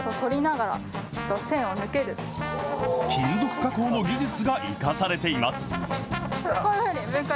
金属加工の技術が生かされています。